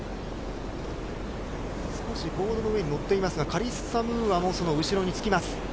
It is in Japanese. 少しボードの上に乗っていますが、カリッサ・ムーアもその後ろにつきます。